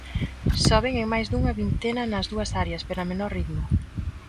Soben en máis dunha vintena nas dúas áreas pero a menor ritmo.